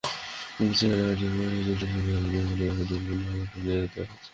কিন্তু সেখানে আটজন জাতসুইপার নিয়োগ হলেও বাকিদের বিভিন্ন কোটায় নিয়োগ দেওয়া হয়েছে।